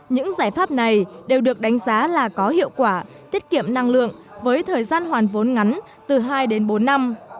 những giải pháp này đều được đánh giá là có hiệu quả tiết kiệm năng lượng với thời gian hoàn vốn ngắn từ hai đến bốn năm